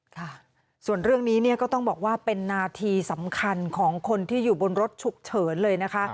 ค่ะส่วนเรื่องนี้เนี่ยก็ต้องบอกว่าเป็นนาทีสำคัญของคนที่อยู่บนรถฉุกเฉินเลยนะคะ